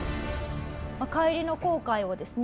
帰りの航海をですね